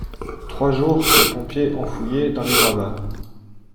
Trois jours, les pompiers ont fouillé dans les gravats